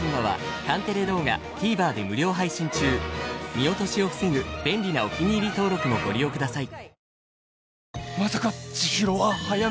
見落としを防ぐ便利なお気に入り登録もご利用ください。